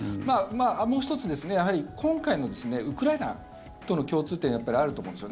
もう１つ、今回のウクライナとの共通点はあると思うんです。